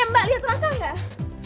eh mbak lihat raka gak